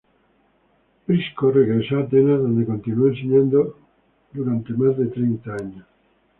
Prisco regresó a Atenas donde continuó enseñando por más de treinta años.